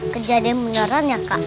kejadian beneran ya kak